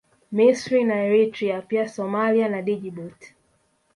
Misri na Eritrea pia Somalia na Djibouti